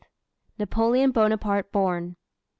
Napoleon Bonaparte born.